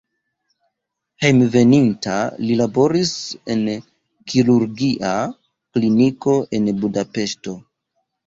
Hejmenveninta li laboris en kirurgia kliniko en Budapeŝto.